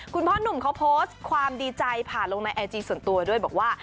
คุณพ่อหนุ่มเขาโพสต์ความดีใจผ่านลงในไอจีส่วนตัวด้วยบอกว่า